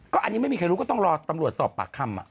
อันนี้ไม่มีใครรู้ก็ต้องรอตำรวจสอบปากคำ